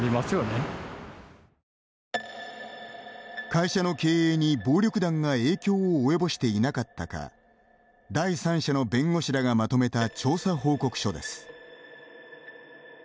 会社の経営に暴力団が影響を及ぼしていなかったか第三者の弁護士らがまとめた調査報告書です。